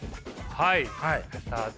はい。